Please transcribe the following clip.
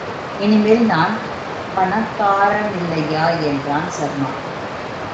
இனிமேல் நான் பணக்காரனில்லையா என்றான் சர்மா.